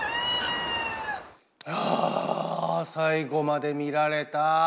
ああ最後まで見られた。